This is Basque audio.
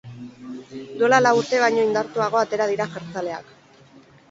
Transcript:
Duela lau urte baino indartuago atera dira jeltzaleak.